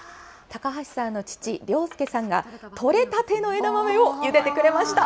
高橋さんの父、良介さんが、取れたての枝豆をゆでてくれまし